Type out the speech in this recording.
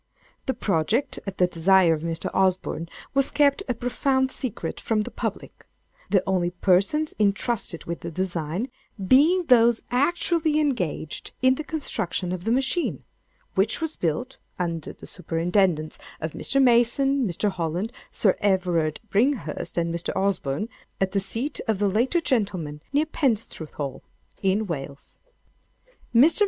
The project, at the desire of Mr. Osborne, was kept a profound secret from the public—the only persons entrusted with the design being those actually engaged in the construction of the machine, which was built (under the superintendence of Mr. Mason, Mr. Holland, Sir Everard Bringhurst, and Mr. Osborne,) at the seat of the latter gentleman near Penstruthal, in Wales. Mr.